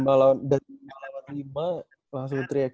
dari lima lewat lima langsung tiga x tiga